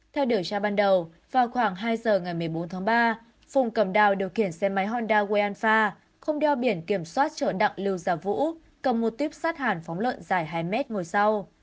theo điều tra ban đầu vào khoảng hai giờ ngày một mươi bốn tháng ba phùng cầm đào điều khiển xe máy honda wayanfa không đeo biển kiểm soát chợ đặng lưu giả vũ cầm một tuyếp sát hàn phóng lợn dài hai mét ngồi sau